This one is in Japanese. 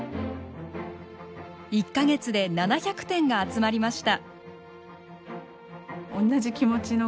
１か月で７００点が集まりました。